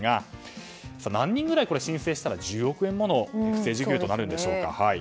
何人くらい申請したら１０億円もの不正受給になるんでしょうか。